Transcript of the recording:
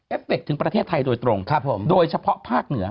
เอฟเฟคถึงประเทศไทยโดยตรงโดยเฉพาะภาคเหนือ